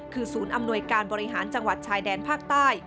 คือศูนย์อำนวยการบริหารจังหวัดชายแดนภาคใต้